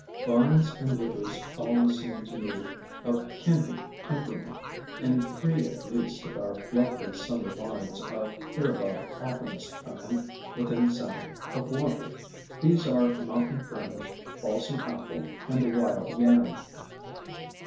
Vines and rivers al ways seem to me of kindred temperament, and three at least of our loveliest Summer vines are hereabout oftenest found within sound of water, — these are Mountain Fringe, Balsam Apple, and the Wild Yam.